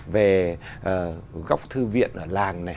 về góc thư viện ở làng này